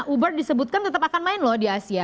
uber disebutkan tetap akan main loh di asia